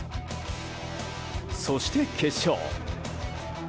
そして決勝。